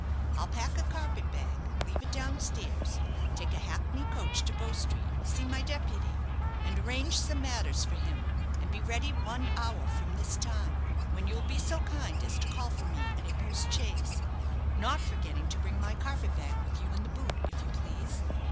"I'll pack a carpet bag, leave it down stairs, take a hackney coach to Bow Street, see my deputy, and arrange some matters for him, and be ready one hour from this time, when you'll be so kind as to call for me in a post chaise not forgetting to bring my carpet bag with you in the boot, if you please.